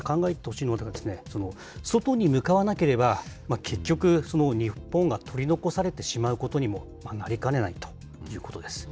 ただ、考えてほしいのは、外に向かわなければ、結局、日本が取り残されてしまうことにもなりかねないということです。